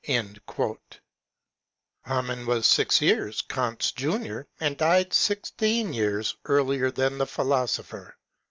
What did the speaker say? Hamann was six years Eant's junior, and died six teen years earlier than the philosopher.